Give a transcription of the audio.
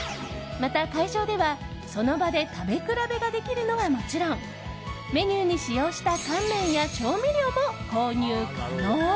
また会場では、その場で食べ比べができるのはもちろんメニューに使用した乾麺や調味料も購入可能。